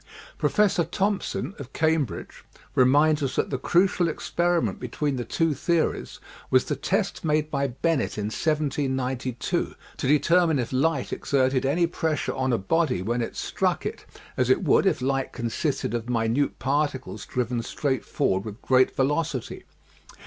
Professor Thomson, of Cambridge, re minds us that the crucial experiment between the two theories was the test made by Bennet in 1792 to determine if light exerted any pressure on a body 94 EASY LESSONS IN EINSTEIN when it struck it as it would if light consisted of minute particles driven straight forward with great velocity.